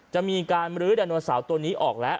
จะมีการมรื้อไดโนเสาร์ตัวนี้ออกแล้ว